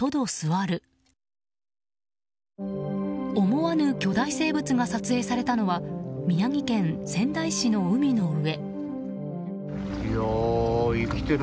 思わぬ巨大生物が撮影されたのは宮城県仙台市の海の上。